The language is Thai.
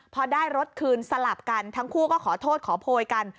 พอได้รถคืนสลับกันทั้งคู่ก็ขอโทษขอโพยกัน